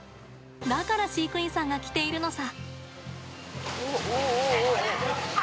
だから飼育員さんが来ているのさ。